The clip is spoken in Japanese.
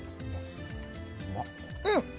うん！